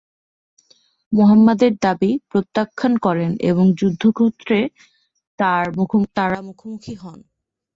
মুহাম্মদ এর দাবি প্রত্যাখ্যান করেন এবং যুদ্ধক্ষেত্রে তারা মুখোমুখি হন।